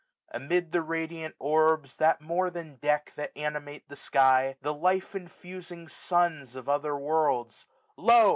Amid the radiant orbs. That more than deck, that animate the sky. The life infusing suns of other worlds ; Lo